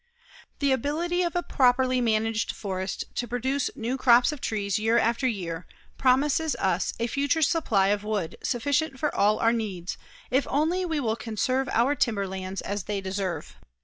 The ability of a properly managed forest to produce new crops of trees year after year promises us a future supply of wood sufficient for all our needs if only we will conserve our timberlands as they deserve.